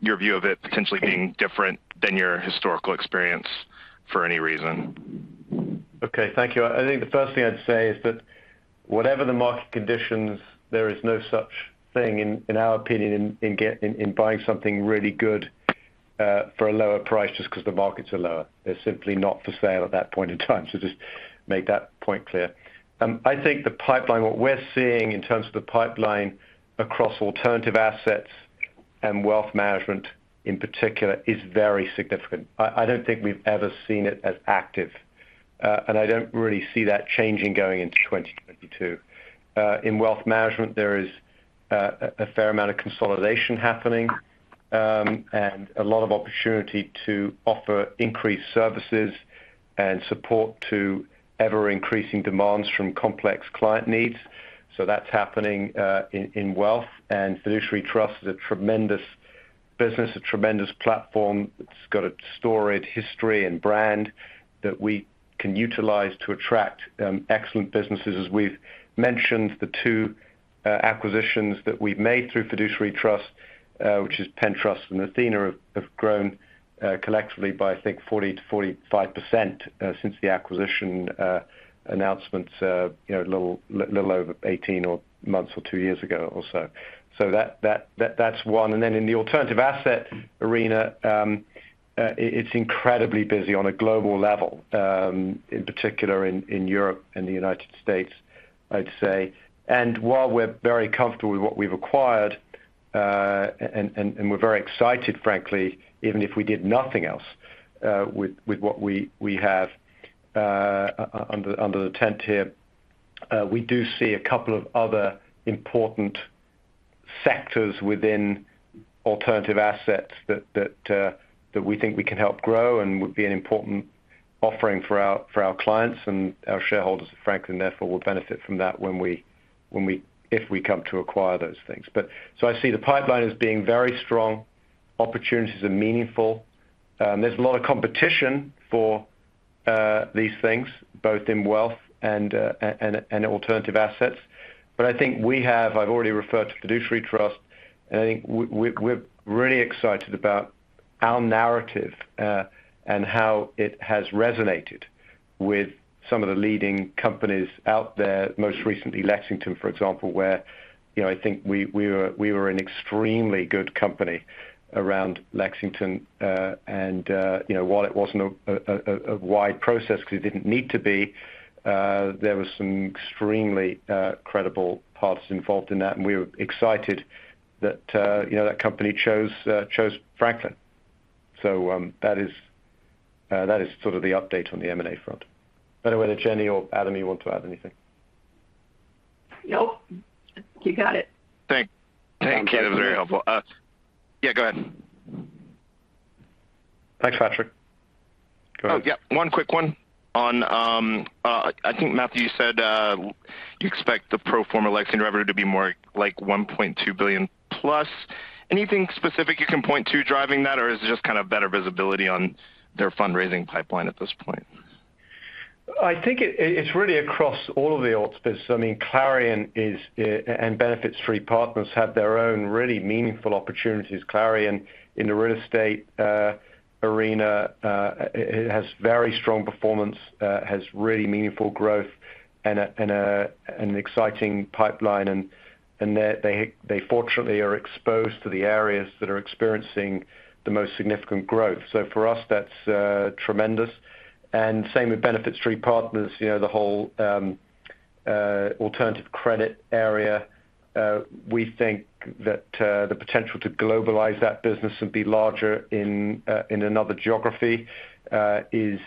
your view of it potentially being different than your historical experience for any reason?
Okay, thank you. I think the first thing I'd say is that whatever the market conditions, there is no such thing, in our opinion, in buying something really good for a lower price just because the markets are lower. They're simply not for sale at that point in time. Just make that point clear. I think the pipeline, what we're seeing in terms of the pipeline across alternative assets and wealth management in particular is very significant. I don't think we've ever seen it as active. I don't really see that changing going into 2022. In wealth management, there is a fair amount of consolidation happening, and a lot of opportunity to offer increased services and support to ever-increasing demands from complex client needs. That's happening in wealth. Fiduciary Trust is a tremendous business, a tremendous platform. It's got a storied history and brand that we can utilize to attract excellent businesses. As we've mentioned, the two acquisitions that we've made through Fiduciary Trust, which is Pennsylvania Trust and Athena Capital Advisors, have grown collectively by, I think, 40%-45%, since the acquisition announcement, you know, a little over 18 months or two years ago or so. That's one. In the alternative asset arena, it's incredibly busy on a global level, in particular in Europe and the United States, I'd say. While we're very comfortable with what we've acquired and we're very excited, frankly, even if we did nothing else with what we have under the tent here, we do see a couple of other important sectors within alternative assets that we think we can help grow and would be an important offering for our clients and our shareholders at Franklin. Therefore we will benefit from that if we come to acquire those things. I see the pipeline as being very strong. Opportunities are meaningful. There's a lot of competition for these things both in wealth and alternative assets. I think I've already referred to Fiduciary Trust, and I think we're really excited about our narrative, and how it has resonated with some of the leading companies out there. Most recently Lexington, for example, where, you know, I think we were an extremely good company around Lexington. You know, while it wasn't a wide process because it didn't need to be, there was some extremely credible parties involved in that, and we were excited that, you know, that company chose Franklin. That is sort of the update on the M&A front. Don't know whether Jenny or Adam you want to add anything.
Nope. You got it.
Thank you. That was very helpful. Yeah, go ahead.
Thanks, Patrick. Go ahead.
Oh, yeah, one quick one on, I think Matthew, you said, you expect the pro forma Lexington revenue to be more like $1.2 billion plus. Anything specific you can point to driving that, or is it just kind of better visibility on their fundraising pipeline at this point?
I think it's really across all of the alts business. I mean, Clarion and Benefit Street Partners have their own really meaningful opportunities. Clarion in the real estate arena it has very strong performance has really meaningful growth and an exciting pipeline. They fortunately are exposed to the areas that are experiencing the most significant growth. For us, that's tremendous. Same with Benefit Street Partners, you know, the whole alternative credit area. We think that the potential to globalize that business and be larger in another geography is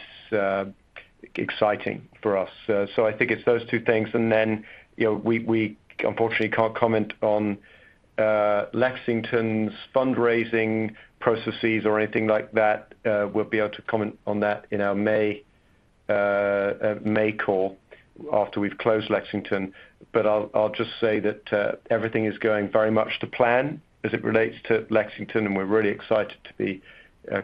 exciting for us. I think it's those two things. You know, we unfortunately can't comment on Lexington's fundraising processes or anything like that. We'll be able to comment on that in our May call after we've closed Lexington. I'll just say that everything is going very much to plan as it relates to Lexington, and we're really excited to be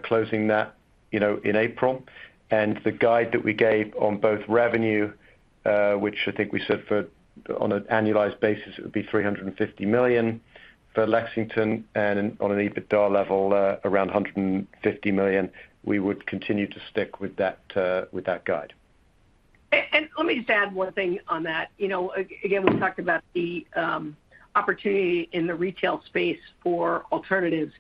closing that, you know, in April. The guide that we gave on both revenue, which I think we said on an annualized basis, it would be $350 million for Lexington and on an EBITDA level, around $150 million. We would continue to stick with that guide.
Let me just add one thing on that. You know, again, we talked about the opportunity in the retail space for alternatives.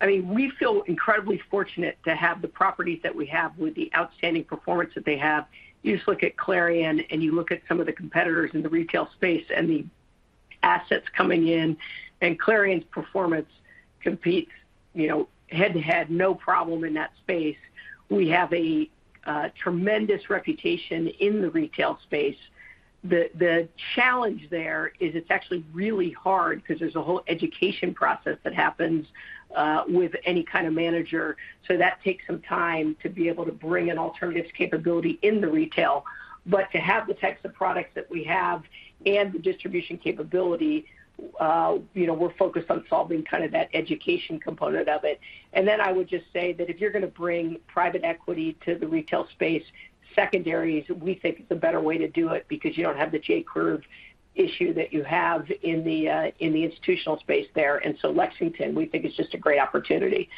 I mean, we feel incredibly fortunate to have the properties that we have with the outstanding performance that they have. You just look at Clarion, and you look at some of the competitors in the retail space and the assets coming in, and Clarion's performance competes, you know, head-to-head, no problem in that space. We have a tremendous reputation in the retail space. The challenge there is it's actually really hard because there's a whole education process that happens with any kind of manager. That takes some time to be able to bring an alternatives capability in the retail. To have the types of products that we have and the distribution capability, you know, we're focused on solving kind of that education component of it. I would just say that if you're going to bring private equity to the retail space, secondaries, we think is a better way to do it because you don't have the J-curve issue that you have in the institutional space there. Lexington, we think, is just a great opportunity.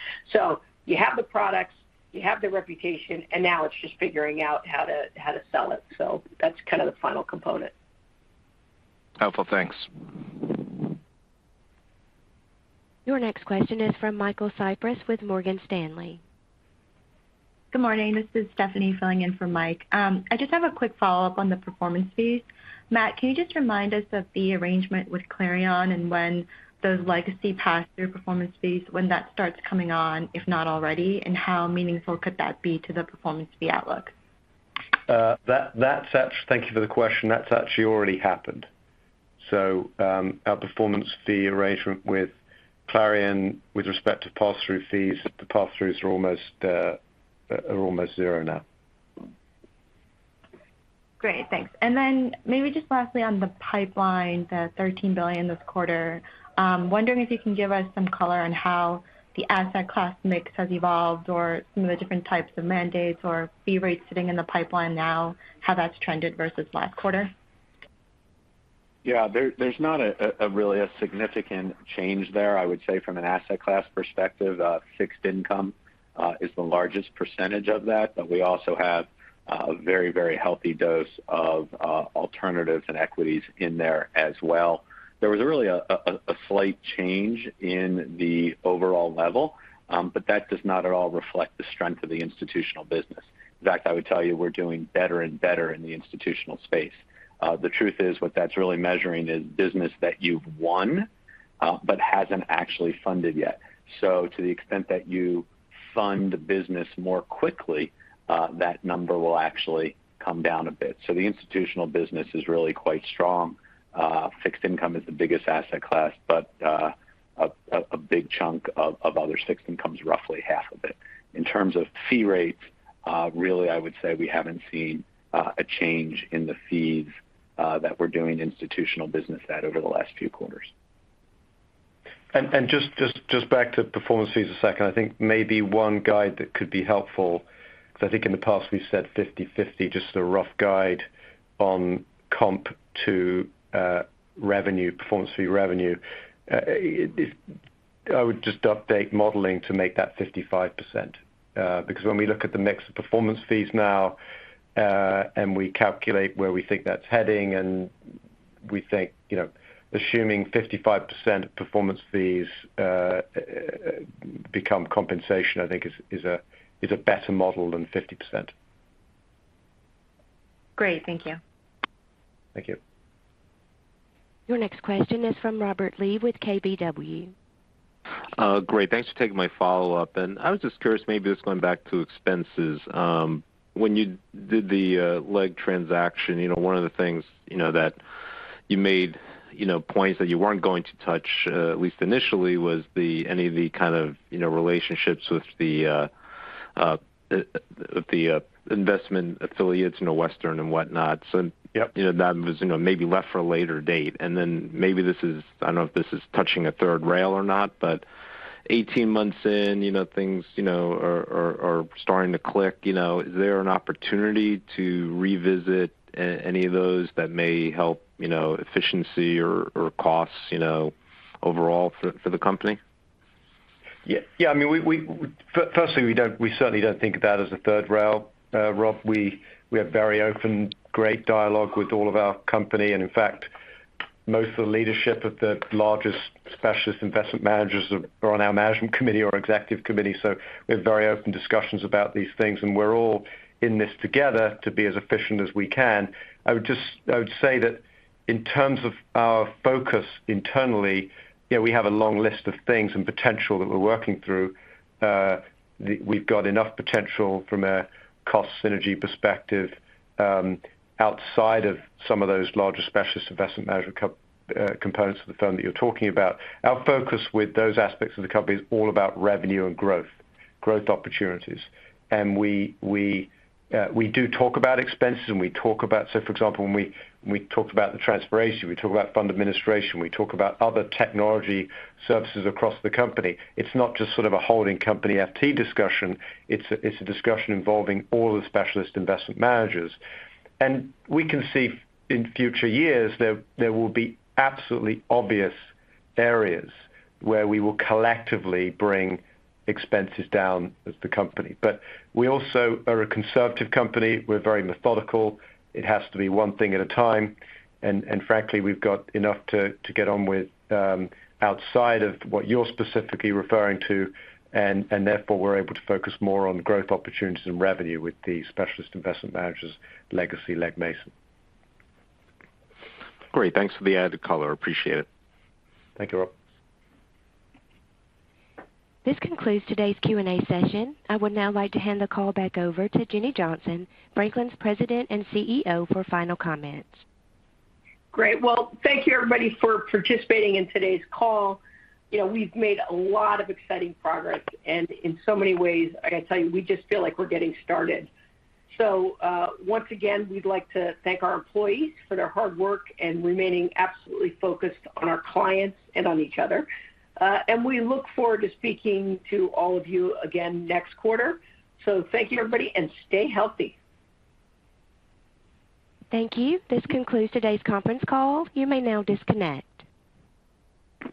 You have the products, you have the reputation, and now it's just figuring out how to sell it. That's kind of the final component.
Helpful. Thanks.
Your next question is from Michael Cyprys with Morgan Stanley.
Good morning. This is Stephanie filling in for Mike. I just have a quick follow-up on the performance fees. Matt, can you just remind us of the arrangement with Clarion and when those legacy pass-through performance fees, when that starts coming on, if not already, and how meaningful could that be to the performance fee outlook?
Thank you for the question. That's actually already happened. Our performance fee arrangement with Clarion with respect to pass-through fees, the pass-throughs are almost zero now.
Great. Thanks. Maybe just lastly on the pipeline, the $13 billion this quarter, wondering if you can give us some color on how the asset class mix has evolved or some of the different types of mandates or fee rates sitting in the pipeline now, how that's trended versus last quarter?
There's not really a significant change there. I would say from an asset class perspective, fixed income is the largest percentage of that. We also have a very healthy dose of alternatives and equities in there as well. There was really a slight change in the overall level, but that does not at all reflect the strength of the institutional business. In fact, I would tell you we're doing better and better in the institutional space. The truth is, what that's really measuring is business that you've won, but hasn't actually funded yet. To the extent that you Fund the business more quickly, that number will actually come down a bit. The institutional business is really quite strong. Fixed income is the biggest asset class, but a big chunk of other fixed income is roughly half of it. In terms of fee rates, really, I would say we haven't seen a change in the fees that we're doing institutional business at over the last few quarters.
Just back to performance fees a second. I think maybe one guide that could be helpful, because I think in the past we've said 50/50, just as a rough guide on comp to revenue, performance fee revenue. I would just update modeling to make that 55%. Because when we look at the mix of performance fees now, and we calculate where we think that's heading, and we think, you know, assuming 55% of performance fees become compensation, I think is a better model than 50%.
Great. Thank you.
Thank you.
Your next question is from Robert Lee with KBW.
Great. Thanks for taking my follow-up. I was just curious, maybe just going back to expenses. When you did the Legg transaction, you know, one of the things, you know, that you made, you know, points that you weren't going to touch, at least initially, was any of the kind of, you know, relationships with the investment affiliates, you know, Western and whatnot.
Yep.
You know, that was, you know, maybe left for a later date. Maybe this is, I don't know if this is touching a third rail or not, but 18 months in, you know, things, you know, are starting to click, you know. Is there an opportunity to revisit any of those that may help, you know, efficiency or costs, you know, overall for the company?
Yeah. Yeah, I mean, we certainly don't think of that as a third rail, Rob. We have very open, great dialogue with all of our companies. In fact, most of the leadership of the largest specialist investment managers are on our management committee or executive committee. We have very open discussions about these things, and we're all in this together to be as efficient as we can. I would say that in terms of our focus internally, you know, we have a long list of things and potential that we're working through. We've got enough potential from a cost synergy perspective, outside of some of those larger specialist investment managers, components of the firm that you're talking about. Our focus with those aspects of the company is all about revenue and growth opportunities. We do talk about expenses, and we talk about. For example, when we talk about the transformation, we talk about fund administration, we talk about other technology services across the company. It's not just sort of a holding company FT discussion. It's a discussion involving all the specialist investment managers. We can see in future years, there will be absolutely obvious areas where we will collectively bring expenses down as the company. We also are a conservative company. We're very methodical. It has to be one thing at a time. Frankly, we've got enough to get on with outside of what you're specifically referring to, and therefore we're able to focus more on growth opportunities and revenue with the specialist investment managers, legacy Legg Mason.
Great. Thanks for the added color. Appreciate it.
Thank you, Rob.
This concludes today's Q&A session. I would now like to hand the call back over to Jenny Johnson, Franklin's President and CEO, for final comments.
Great. Well, thank you everybody for participating in today's call. You know, we've made a lot of exciting progress, and in so many ways, like I tell you, we just feel like we're getting started. Once again, we'd like to thank our employees for their hard work and remaining absolutely focused on our clients and on each other. We look forward to speaking to all of you again next quarter. Thank you, everybody, and stay healthy.
Thank you. This concludes today's conference call. You may now disconnect.